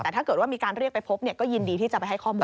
แต่ถ้าเกิดว่ามีการเรียกไปพบก็ยินดีที่จะไปให้ข้อมูล